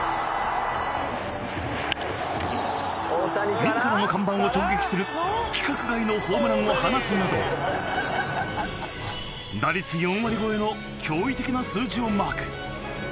自らの看板を直撃する規格外のホームランを放つなど打率４割超えの驚異的な数字をマーク。